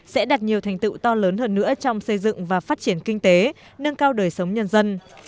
sẽ đạt nhiều thành tựu to lớn hơn nữa trong xây dựng và phát triển kinh tế nâng cao đời sống nhân dân